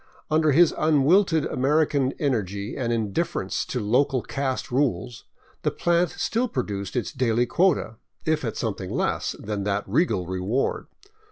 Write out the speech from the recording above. Under his unwilted American energy and indifference to local caste rules the plant still produced its daily quota, if at something less than that regal reward.